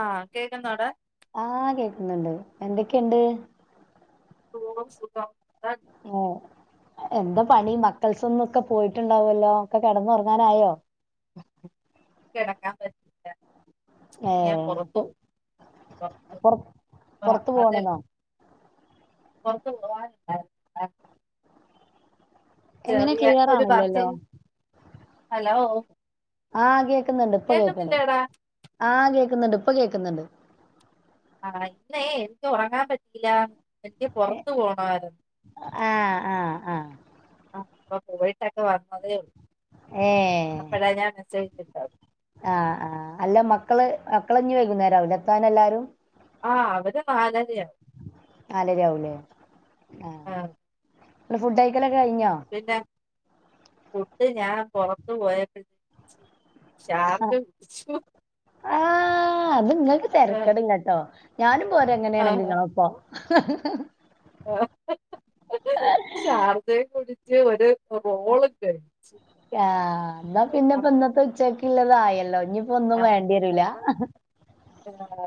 ആഹ് കേക്കുന്നോടാ എന്ത്‌ണ്ട് എന്തൊക്കെയുണ്ട് സുഖം സുഖം ഓ എന്താ പണി മക്കൾസ് ഒന്ന് ഒക്കെ പോയിട്ടുണ്ടാവല്ലോ ഒക്കെ കെടന്ന് ഒറങ്ങാനായോ കിടക്കാൻ പറ്റില്ല ഏ ഞാൻ പുറത്തു പോയി പുറത്തു പോയി പൊറത്ത് പോണെന്നോ പൊറത്ത് പോ [unintelligible] എങ്ങനെ ക്ലിയർ ഒരു ആണില്ലല്ലോ പർച്ചേസ് ഹലോ ആഹ കേക്കുന്നുണ്ട് ഇപ്പൊ കേൾക്കണ കേക്കുന്നില്ലേടാ ആഹ് കേക്കുന്നുണ്ട് ഇപ്പൊ കേക്കുന്നുണ്ട് ആഹ ഇന്നേ എനിക്ക് ഉറങ്ങാൻ പറ്റില എനിക്ക് പൊറത്തു പോണായിരുന്നു ആഹ് ആഹ് ആഹ് ആ ഇപ്പൊ പോയിട്ടൊക്കെ വന്നതേ ഉള്ളൂ ഏഹ് അപ്പഴാ ഞാൻ മെസ്സേജ് ഇട്ടത് ആഹ് ആ അല്ല മക്കള് മക്കളഞ്ഞ് വൈകുന്നേരാവില്ലെ എത്താൻ എല്ലാരും ആഹ അവടെ നാലര നാലര ആവൂല്ലേ ആഹ് ഫുഡ് കഴിക്കല് കഴിഞ്ഞോ പുട്ട് ഞാൻ പുറത്തു പോയപ്പോ ചാർട്ട് ച്ചു ആ അത് നിങ്ങക്ക് തെരക്കട് ഇല്ലട്ടോ ഞാനും പൊരാങ്ങെനേയാണെങ്കി ഇങ്ങളൊപ്പം [unintelligible] ആ ചാർജേ കുടി ച്ച് ഒര് ആ എന്നാ പിന്നെപ്പൊ ഇന്നത്തെ ഉച്ച ക്ക്ല്ലതായല്ലോ ഇനിപ്പോ ഒന്നും ആഹ് വേണ്ടിരൂല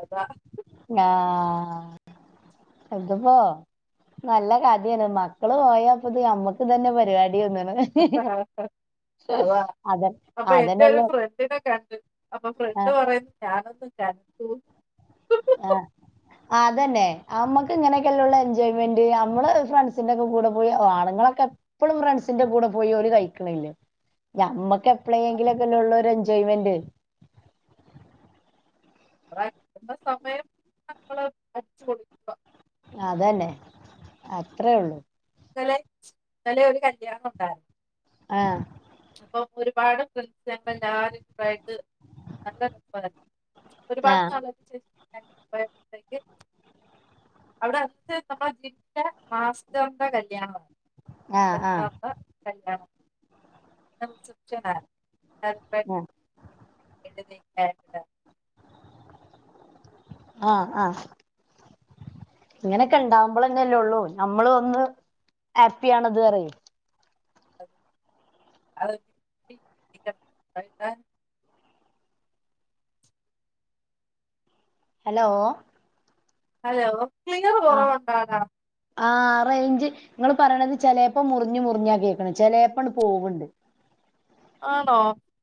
ആ ആ ഇത്പ്പോ നല്ല കഥയാണ് മക്കള് പോയപ്പോത് നമ്മക്ക് ഇതന്നെ പരിപാ അതാ അതെ അപ്പൊ എന്റെരു അതന്നെല്ലോ ഫ്രണ്ടിനെ കണ്ട് അപ്പൊ ഫ്രണ്ട് ആഹ് പറയുന്ന ഞാനൊന്ന് ചത്തു ആ അതന്നെ നമ്മക്ക് ഇങ്ങനെയൊക്കെല്ലള്ളു എൻജോയ്മെന്റ് നമ്മള് ഫ്രണ്ട്സിന്റെക്കെ കൂടെ പോയി ആണ്ങ്ങളൊക്കെപ്പളും ഫ്രണ്ട്സിന്റെ കൂടെ പോയി ഓല് കഴിക്ക്ണില്ലേ ഞമ്മക്ക് എപ്പളെങ്കിലോക്കെല്ലോള്ളു ഒര് എൻജോയ്മെന്റ് [unintelligible] കിട്ടുന്ന സമയം ഞമ്മള് അടിച്ച് പൊളിക്കുക അതന്നെ അത്രേള്ളൂ ഇന്നലെ ഇന്നലെ ഒരു കല്യാണണ്ടായിരുന്നു ആ അപ്പൊ ഒരുപാട് ഫ്രണ്ട്‌സേള്ല്ലാരും ഇണ്ടായിട്ട് നല്ല രസാര്ന്ന് ഒരുപാട് ആഹ് നാളേള്ക്ക് ശേ ആവുമ്പത്തേക്ക് അവിടെ [unintelligible] മാഷിന്റോട്ത്തേ കല്യാണ ആഹ് ആഹ് കല്യാണ നം സുച്ചനാ [unintelligible] ഏ എ ആഹ ആഹ ഇങ്ങനെക്കെ ഒണ്ടാവുമ്പോളല്ലെല്ലുള്ളൂ നമ്മള് ഒന്ന് ഹാപ്പിയാണത് വെറെയ് [unintelligible] ഹലോ ഹലോ ക്ലിയറ് കൊറവൊണ്ടാലാ ആ റേഞ്ച് ഇങ്ങള് പറയണത് ചെലേപ്പം മുറിഞ്ഞ മുറിഞ്ഞാ കേക്കണ ചെലേപ്പം പോവുണ്ട്. ആണോ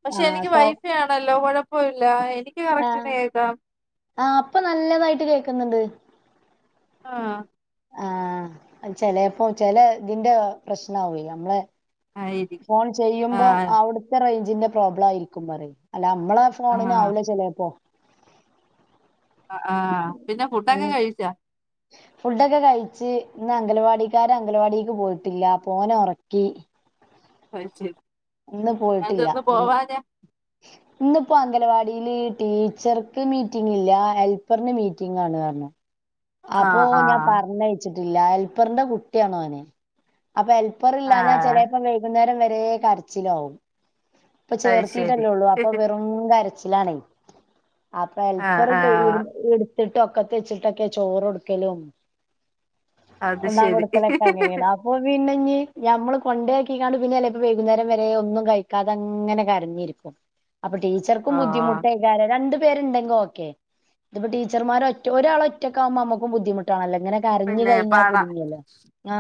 പക്ഷെ എനിക്ക് വൈഫെ ആണല്ലോ കൊഴപ്പ ഇല്ല എനിക്ക് കറക്റ്റിന് ഏക്കാം. ആ അപ്പം നല്ലതായിട്ട് കേക്ക്ന്ന്ണ്ട് ആഹ ആഹാ ചെലേപ്പോം ചെല ഗിന്റെതാ പ്രശ്നാവുലിയമ്മളെ ആയിരിക്കും ഫോൺ ആ ചെയ്യുമ്പോ അവിടുത്തെ റേ തിന്റെ പ്രോബ്ലായിരിക്കും പറയും നമ്മളെ ആ ഫോണിനാവില്ല ചെലേപ്പൊ അ ആഹാ പിന്നെ ഫുട്ടെക്കെ ഉം കഴിച്ചാ ഫുഡൊക്കെ കഴിച്ച് ഇന്ന് അംഗലവാടിക്കാര അംഗലവാടിക്ക് പോയിട്ടില്ല പോനെ ഒറക്കി [unintelligible] ഇന്ന് പോയിട്ടില്ല ഞങ്ങക്ക് പോവാതെ ഇന്ന് ഇപ്പോ അംഗനവാടില് ടീച്ചർക്ക് മീറ്റിങ്ങില്ലാ ഹെൽപ്പറിന് മീറ്റിങ്ങാണ് ആണ് ആ അപ്പൊ ആ ഞാൻ പറഞ്ഞയച്ച് ലാൽപറിന്റെ കുട്ടിയണോനെ അപ്പൊ ആ ഹെൽപ്പറില്ലാഞ്ഞ ചെലേപ്പം വൈകുന്നേരം വരെ വേ കരച്ചിലാവും ഇപ്പ അത് ശരി ചേർത്തീട്ടല്ലേ ഉള്ളൂ അപ്പം വെറും കര ചില്ലാണേ അപ്പ ആ ആ എൽപ്പറോക്കെ [unintelligible] ന്നിട്ടൊക്കത്ത് വെച്ചിട്ട് ക്കെ ചോറൊടുക്കലും അത് ഉണ്ണാ ശരി കൊടുക്കലെക്കെ ങ്ങനെണ് അപ്പൊ പിന്നെ നി ഞമ്മളു കൊണ്ടേ പിനാല് പിന്നെയെല്ലേ വൈകുന്നേരം വരെ ഒന്നും കഴിക്കാത അങ്ങനെ കരഞ്ഞിരുക്കും അപ്പൊ ഓ ടീച്ചർക്കും ബുദ്ധിമുട്ടെ രാരര രണ്ടു പേരുണ്ടെങ്ക് ഓക്കെ ഇതിപ്പ ടീച്ചർമാരൊറ്റ ഒരാളൊറ്റ് റ്റക്കാമമ്മുക്കും ബുദ്ധിമുട്ടാല്ലേ അങ്ങനെ കരഞ്ഞു പിന്നെ കയിഞ്ഞ പാടാം കുടുങ്ങിയല്ലോ ആ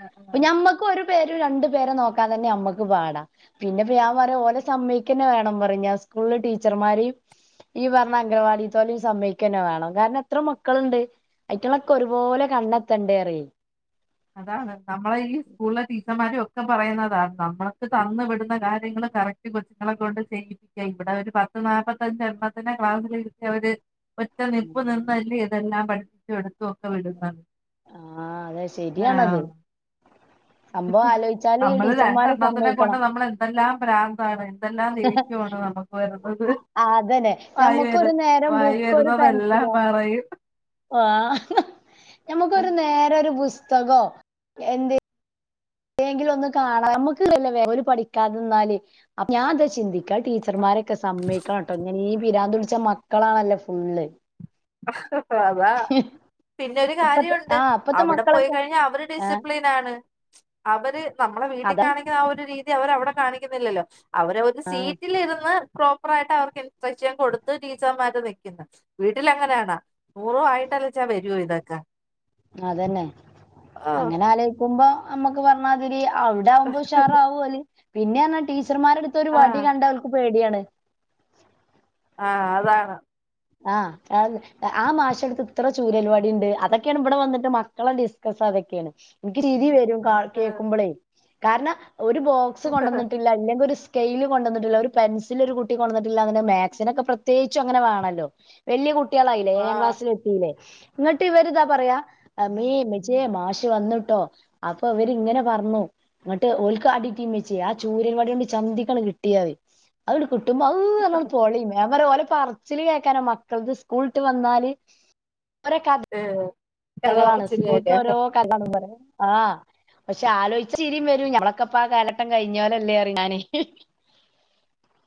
ആ, ആ. ഞമ്മക്കൊരു പേര് രണ്ടു പേരെ നോക്കാൻ തന്നെ നമ്മക്ക് പാടാ പിന്നെ പി ഞാൻ പറയും ഓനെ സമ്മയിക്കന്നെ വേണം പറയും സ്കൂൾലെ ടീച്ചർമാരെയും ഈ പറഞ്ഞ അംഗവാടിത്തോലെയും സമ്മയിക്കന്നെ വേണം കാരണം എത്ര മക് മക്കളുണ്ട് അയറ്റൊളൊക്കെ ഒരുപോലെ കണ്ടെത്തെൻണ്ടേർ അതാണ് നമ്മളെ ഈ സ്കൂളിലെ ടീച്ചർമാരും ഒക്കെ പറയുന്നതാണ് നമ്മൾക്ക് തന്നു വിടുന്ന കാര്യങ്ങള് കറക്റ്റ് കൊച്ചുങ്ങളെ കൊണ്ട് ചെയ്യിപ്പിക്കുക ഇവിടെ ഒരു പത്ത് നാല്പത്തഞ്ച് എൺപത്തിന ക്ലാസ്സില ഇരുത്തി അവര് ഒറ്റ നിപ്പ് നിന്നല്ലിയോ ഇതെല്ലാം പഠിപ്പിച്ചുടു [unintelligible] ആ അതെ ശരിയാണത് ആഹ് സംഭവം ആലോചിച്ചാല് നമ്മള് ടീച്ചർമാരെ രണ്ടെണ്ണത്തിനെ കൊണ്ട് സമ്മയിക്കണം നമ്മൾ എന്തെല്ലാം പ്രാന്താണ് എന്തെല്ലാം ദേഷ്യമാണ് നമുക്ക് വരുന്നത് ആഹ് അതന്നെ വായി വരു ഞമ്മക്കൊരു നേരം വായി ബുക്കൊരു വരുന്നതെല്ലാം പെൻസിലോ പറയും ഞമുക്കൊരു നേരമൊരു പുസ്തകോ എന്ത് എങ്കിലും ഒന്നും കാണാം നമ്മുക്കല്ല പഠിക്കാതെന്നാല് ഞാൻ അതാ ചിന്തിക്ക് ടീച്ചർമാരൊക്കെ സമ്മയിക്കണം കേട്ടോ ഇങ്ങന ഈ പീരാന്തു ച്ച മക്കളാണല്ലേ ഫുള്ള് അ ഹാ വാ വാ പിന്നൊരു ഇപ്പത്തെ കാര്യുണ്ട് ആ ഇപ്പത്തെ അവിടെ പോയി മക്കളൊക്കെ കഴിഞ്ഞാ അവര് ആ ഡിസിപ്ലിൻ ആണ് അവര് നമ്മടെ അത വീട്ടിലാണെങ്കി ആ ഒരു രീതി ഇതവര്‌രവിടെ കാണിക്കുന്നില്ലല്ലോ അവരെയൊരു സീറ്റിലിരുന്ന് പ്രോപ്പറായിട്ടവർക്ക് ഇൻസ്ട്രക്ഷൻ കൊടുത്ത് ടീച്ചർമാര് നിൽക്കുന്നു വീ വീട്ടിലങ്ങനാണോ അതന്നെ അങ്ങനെയാല് പോകുമ്പോ, നമുക്ക് പറഞ്ഞമാതിരി ചെയ്യാം അവിടെയാവുമ്പോ ഉഷാറാവുവല്ലേ പിന്നെയെന്നാടി ടീച്ചർമാരുടെയടുത്തൊ രു ആഹ് വടികണ്ടാലവർക്ക് പേടിയാണ് ആ.. അതാണ്, ആ.. ആ.. മാഷിനടുത്തിത്ര ചൂരൽവടിയുണ്ട്, അതൊക്കെയാണ് ഇവിടെ വന്നിട്ട് മക്കളെ ഡിസ്കസ് അതൊക്കെയാണ്. എനിക്കുചിരിവരും കേൾക്കുമ്പോളേ, കാരണം ഒരുബോക്സ് കൊണ്ടുവന്നിട്ടില്ല അല്ലെങ്കിൽ ഒരു സ്കെയിലുകൊണ്ടുവന്നിട്ടില്ല, ഒരു പെൻസിലൊരു കുട്ടി കൊണ്ടുവന്നിട്ടില്ല അങ്ങനെ മാക്സിനൊക്കെ പ്രത്യേകിച്ചും വേണല്ലോ വലിയ കു കുട്ടികളായില്ലേ, ഏഴാം ആഹ് ക്ലാസ്സിലെത്തിയില്ലേ ഇങ്ങട്ട് ഇവരിതാ പറയാ, അമ്മീ, അമ്മച്ചിയേ മാഷ് വന്നീട്ടോ അപ്പൊ അവരിങ്ങനെ പറഞ്ഞു. ഇങ്ങോട്ട് ഓല്ക്ക് അടി കിട്ടി ഉമ്മച്ചിയെ ആ ചൂരൻവടി കൊണ്ട് ചന്തിക്കാണുകിട്ടിയത് കിട്ടുമ്പം, അം.. വേണം പറച്ചിലിയേ കാരണം മക്കൾക്ക് സ്കൂൾ വിട്ട്‌വന്നാല് ആ കഥകളാണ് സ്കൂൾതെ ക്കോരോകഥ ആ.. പക്ഷേയാലോചിച്ചാ ചിരിയും വരും. ഞങ്ങളൊക്കെയിപ്പമാകാലഘട്ടം കഴിഞ്ഞവരല്ലേ, ഞാന്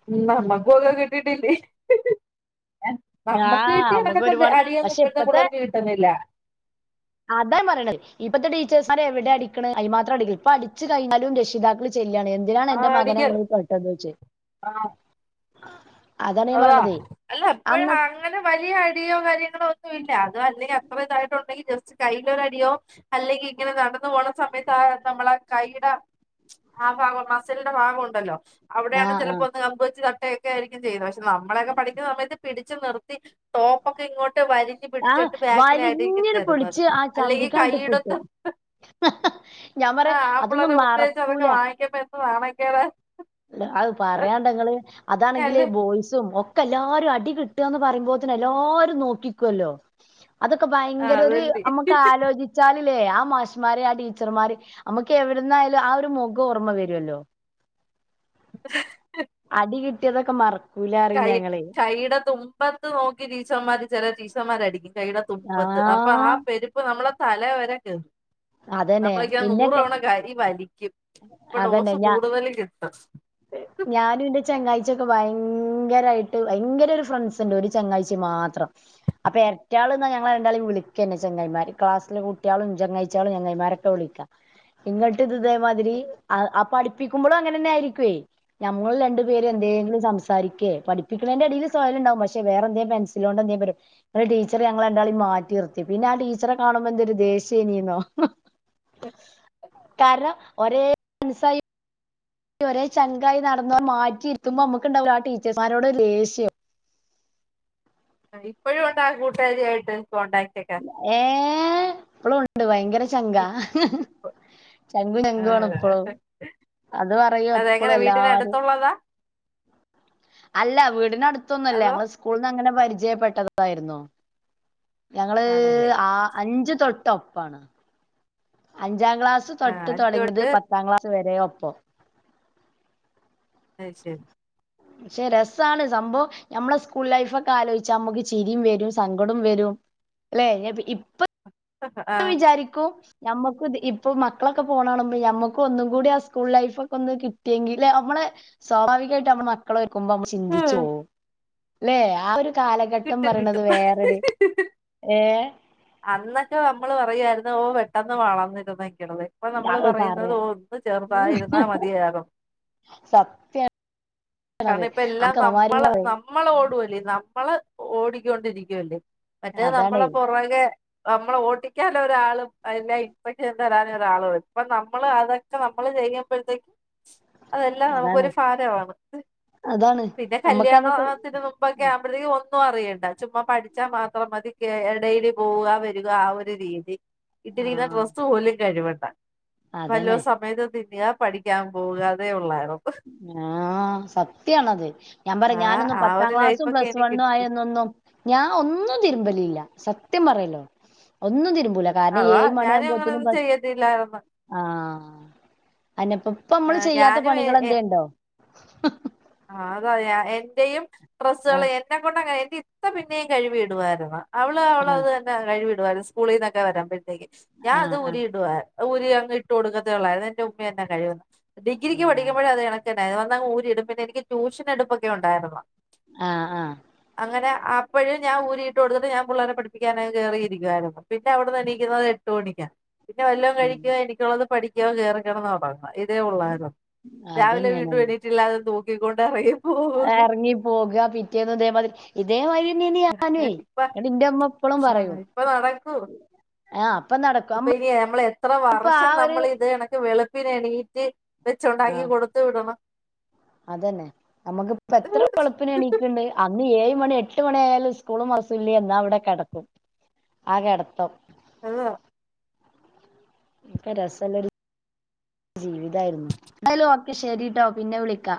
ഉം.. നമ്മക്കുമങ്ങനെ കി ട്ടീയിട്ടില്ലേ നമ്മക്കു ആഹ് കിട്ടിയ നമുക്ക് കാലത്തെ ഒരുപാട് അടിയൊന്നും പക്ഷെ ഇപ്പളത്തെ ഇപ്പത്തെ പിള്ളേർക്ക് കിട്ടുന്നില്ല. ഇപ്പളത്തെ ടീച്ചേഴ്സുമാരെവിടെ അടിക്കണേ, അടി മാത്രം ഇപ്പൊ അടിച്ചുകഴിഞ്ഞാലും രക്ഷിതാക്കള് ചോ ചോദിക്കാണ്. എന്തിനാണ് ആ എന്റെ അടിക്ക് മകനെനിങ്ങൾ തൊട്ടത് ചോദിക്കും ആ അതാ, അല്ല അന്ന് ഇപ്പോളങ്ങനെ വലിയ അടിയോ കാര്യങ്ങളോ യൊ ഒന്നുമില്ല, അത് അങ്ങനെയപ്പം അവിടെയാണ്, ആഹ് ആഹ് ടേക്ക് കെയറിംഗ് നമ്മളൊക്കെപഠിക്കുന്ന സമയത്ത്, പിടിച്ചു നിർത്തി ടോപ്പൊക്കെ ഇങ്ങോട്ട് വലിഞ്ഞ് ആഹ് പിടിച്ചിട്ട് ബാക്കിലായിരിക്കും വലിഞ്ഞിനെ തരുന്നത് പൊളിച്ച് ആ അല്ലെങ്കിൽ ചതിക്കങ്ങട്ട് കൈയിടത്ത് കിട്ടും ഞാൻ ആ പറയാ അതൊന്നും ആമ്പിള്ളേരെ മുമ്പിൽ വെച്ച് അതൊക്കെ മറക്കൂല വാങ്ങിക്കുമ്പോ എന്ത് നാണക്കേടാ അത് പറയാണ്ടങ്ങള് അതാണെങ്കിൽ അല്ലേ ബോയ്സ് ഒക്കെല്ലാരും അടി കിട്ടുകന്ന് പറയ്പോ തെ എല്ലാരും നോക്കി ല്ലോ അതൊക്കെ ആ ഭയങ്കര ഒരു നമുക്ക് അതല്ലേ ആലോചിച്ചാൽ ലേ ആ മാഷ്മാര് ആ ടീച്ചർമാര് നമ്മുക്ക് എവിടുന്നായാലും ആ ഒരു മുഖം ഓർമ്മ വരുമല്ലോ അടികി റ്റതൊക്കെ മറ കൈ കൈട തുമ്പത്ത് നോക്കി ടീച്ചർ മരി ചെല ടീച്ചർമാര് അടിക്കും കൈയുടെ തുമ്പത്ത് അപ്പൊ ആ ആഹ് പെരുപ്പ് നമ്മളെ തലെ വരക്കെ അതന്നെ നമ്മളക്കൻ ഇന്നൊക്കെ നൂറ്വണ കരി വാലി അതന്നെ ഞാ ഞാനുംന്റെ ചങ്ങാഴ്ചൊക്കെ വാ ഭയങ്കരമായിട്ട് ഭയങ്കര ഒരു ഫ്രണ്ട്സ് ഉണ്ട് ഒരു ചങ്ങാഴ്ച്ച മാത്രം അപ്പൊ എരറ്റ ആള് എന്നാ ഞങ്ങളെ രണ്ടാളും വിളിക്ക തന്നെ ചെങ്ങായിമാര് ക്ലാസ്സിലെ കുട്ടികളും ചങ്ങാഴ്ച്ചകളും ചെങ്ങായിമാരൊക്കെ വിളിക്ക ഇങ്ങട്ട ഇത് ഇതിലി അപ്പാ അടിക്ക് ടിക്കുമ്പോ അങ്ങനെ തന്നെ ആയിരിക്കുവേ നിങ്ങൾ രണ്ടു പേര് എന്തെിലും സം സരിക്കേ പഠിപ്പിക്കണേന്റെ എടിയില് സവയലംണ്ടാവും പക്ഷെ വേറെ എന്തേലും പെൻസിലോ കൊണ്ട് എന്തേങ്കും വരും ടീച്ചർ ഞങ്ങൾ എണ്ടാളും മാറ്റിർത്തി പിന്നെ ആ ടീച്ചറെ കാണുമ്പോ എന്തൊരു ദേഷ്യേനെന്നോ കാരണം ഒരേ മൻസായി ഒരേ ചങ്കായി നടന്ന മാറ്റിരുത്തുമ്പം നമ്മക്കുണ്ടാവോലൊ ആ ടീച്ചേർസ്മാരോട് ഒരു ദേഷ്യം ഇപ്പഴും ഉണ്ടാ കൂട്ടുകാരിയായിട്ട് കോണ്ടാക്ട് ഒക്കെ ഏഹ് ഇപ്പളു ണ്ട് ഭയങ്കര ചങ്കാ ചങ്കും ചങ്കും ആണ് ഇപ്പളും ആഹ് അത് പറയും എപ്പളും അതെങ്ങനെ വീട്ടിന് എല്ലാരും അടുത്തുള്ളതാ അല്ല വീടിനടുത്തൊന്നൊല്ല അതോ ഞങ്ങള് സ്കൂൾന്നങ്ങനെ പരിചയപ്പെട്ടതതായിരുന്നോ ഞങ്ങള് ആണല്ലേ ആ അഞ്ച് തൊട്ട് ഒപ്പാണ് അഞ്ച് ഞ്ചാം ക്ലാസ് ആഹ് തൊട്ട് അഞ്ചു തൊടങ്ങിയത് തൊട്ട് പത്താം ക്ലാസ് വരെ തേ ഒപ്പം ശരി ശരി ക്ഷെ രസാണ് സംഭവം ഞമ്മളെ സ്കൂൾ ലൈഫ് ഒക്കെ ആലോയ്ച്ചാ നമ്മക്ക് ചിരിയും വരും സങ്കടം വരും ലേ ഇപ്പം ആഹ് വിചാരിക്കും നമ്മക്കുത് ഇപ്പ മക്കളൊക്കെ പോണാണുമ്പ ഞമ്മക്ക് ഒന്നും കൂടി ആ സ്കൂൾ ലൈഫ് ഒക്കെ ഒന്ന് കിട്ടിയെങ്കില് നമ്മള് സ്വാഭാവികായിട്ട് നമ്മടെ മക്കളെ ക്കുമ്പം നമ്മള് ചിന്തിച്ച് വോവും ല്ലേ ആ ഒരു കാലഘട്ടം കിട്ടും പറിണത് വേറൊര് കിട്ടും ഏഹ് അന്നൊക്കെ നമ്മള് പറയാരുന്നു ഓ പെട്ടെന്ന് വളർന്നിരുന്നെ ക്കെട്തെ. ഇപ്പൊ നമ്മള് അത് പറയുന്നത് പറയാ ഒന്ന് ചെറുതായിരുന്നാ മതിയാരു സത്യാണത് കാരണം ഇപ്പല്ലാം അതൊക്കെ നമ്മളെ അമ്മമാരിങ്ങനെ പറയും നമ്മളോടുവല്ലേ നമ്മള് ഓടിക്കോണ്ടിരിക്കുവല്ലേ മറ്റേ നമ്മളെ അതാണേ പൊറകേ നമ്മളെ ഓട്ടിക്കാന് ഒരാളും അയിനായി [unintelligible] തരാന് ഒരാളു അപ്പ നമ്മള് അതൊക്കെ ന നമ്മള് ചെയ്യുമ്പഴത്തേ അതെല്ലാം അതാണ് നമുക്കൊരു ഫാരവാണ് അതാണ് പിന്നെ കല്യാണോ നമ്മക്കതൊക്കെ ആഹ് ത്തിന് മുമ്പൊക്കെ അപ്പത്തേക്കു ഓ ഇപ്പൊന്നും അറിയേണ്ട ചുമ്മാ പഠിച്ചാൽ മാത്രം മതി. കേ എടേല് പോവാ വരുക ആ ഒരു രീതി ഇട്ടിരിക്ക്ന്ന ആഹ് ഡ്രസ്സ് പോലും കഴുവ അതന്നെ വല്ലോം സമയത്ത് തിന്നാ പഠിക്കാൻ പോകാ അതെ ഉള്ളാരു ആ ആ സത്യാണ് അത് ഞാൻ പറയും ആ ഞാനൊന്നും ആ പത്താം ഒരു ക്ലാസ്സും ലൈഫൊക്കെ പ്ലസ് എനിക്ക് വണ്ണും കിട്ടും ആയെന്നൊന്നും ഞാൻ ഒന്നും തിരുമ്പലില്ല. സത്യം പറയല്ലോ ഒന്നും തിരുബൂ- കാരണം അതാ ഏഴ് മണിയ ഞാനും ആകുമ്പോതിന് അങ്ങനൊന്നും ബസ്സ് ചെയ്യത്തില്ലായിരുന്നു ആ അതന്നെ ഇപ്പ ആ, നമ്മള് ചെയ്യാത്ത ഞാനും പണികൾ- [unintelligible] ആ അതാ ഞ എന്റെയും ഡ്രസ്സുകള് ആഹ് എന്നെ കൊണ്ടങ്ങനെ എന്റെ ഇപ്പ പിന്നെയും കഴിവി ഇടുവാരുന്നു അവള് അവള് അത് ആഹ് തന്നെ കഴിവി- അവർ സ്കൂളിന്നൊക്കെ വരാൻ പറ്റ- ഞാൻ അത് ആഹ് ആഹ് ഊരിയിടുവ ഊരി അങ്ങ് ഇട്ട് കൊടുക്കത്തെള്ളായിരുന്നു എന്റെ ഉമ്മ തന്നെയ കഴിവുന്നേ ഡിഗ്രിക്ക് പഠിക്കുമ്പോഴേ അതേ കണക്ക് ടയ [unintelligible] വന്ന് അങ്ങ് ഊരിടുമ്പത്തേക്ക് ഈ ട്യൂഷൻ എടുപ്പൊക്കെ ഉണ്ടായിരുന്ന് ആ ഹ് ആഹ് അപ്പഴ് ഞാൻ ഊരിയിട്ട് കൊടുത്തി ട്ട് ഞാൻ പിള്ളേരെ പഠിപ്പിക്കാനങ്ങ് കേറിയിരിക്കുവായിരുന്നു പിന്നെ അവിടുന്ന് എണീക്കുന്നത് എട്ട് മണിക്കാ പിന്നെ വല്ലോം ഉം കഴിക്കുകാ എനിക്കോള്ളത് പഠി ക്ക്യോ കേറി കെടന്ന് ഒറ ങ്ങാ ഇതേ ഒള്ളാരുന്ന് രാവിലെ വീണ്ടു അതന്നെയാണല്ലോ എണീട്ടില്ലാതെ തോ ക്കി കൊണ്ട്റിയും എറങ്ങി പോക് കാ പിറ്റേന്നും ഇതേമാതിരി [unintelligible] ഞാനുവേ ഇപ്പ എന്നിട്ട് ഇന്റെ ഉമ്മ എപ്പളും ആഹ് പറയും ഇപ്പോ നടക്കൂ ആഹ് അപ്പൊ നടക്കും ഇപ്പ ഇനി ഞമ്മള് എത്ര നമ്മളിപ്പ ആ വർഷം ഒരു നമ്മള് ഇത് കണക്ക് വെളു പ്പിനെണീറ്റ് ആഹ് വെച്ചുണ്ടാക്കി കൊടുത്തു വിടണം അതന്നെ നമ്മുക്കിപ്പ എത്ര വെളുപ്പിന് എണീക്ക്ണ്ട് അ ഇനി ഏഴ് മണി എട്ട് മണി ആയാലും സ്കൂളും [unintelligible] ല്ലേ എന്നാ അവ്ടെ കെടക്കും ആ കെടത്തം ആ ക്കെ രസല്ലൊരു ജീവിതായിര്ന്നു [unintelligible] ഒക്കെ ശരീട്ടോ പിന്നെ വിളിക്കാ